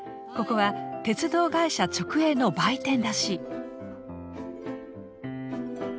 ここは鉄道会社直営の売店らしい。